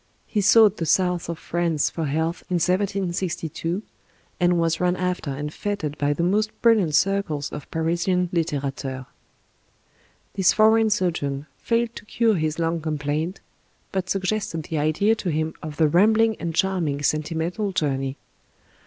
He sought the South of France for health in 1762, and was run after and f^ted by the most brilliant circles of Parisian litterateurs. This foreign sojourn failed to cure his lung complaint, but suggested the idea to him of the rambling and charming "Sentimental Journey."